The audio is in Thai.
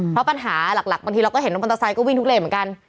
เพราะปัญหาหลักบางทีเราก็เห็นว่ามอเตอร์ไซค์ก็วิ่งทุกเลนเหมือนกัน